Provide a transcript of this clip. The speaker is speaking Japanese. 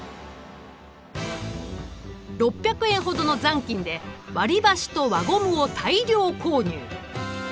６００円ほどの残金で割りばしと輪ゴムを大量購入。